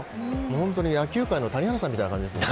本当に野球界の谷原さんみたいですね。